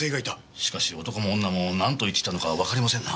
しかし男も女もなんと言っていたのかわかりませんな。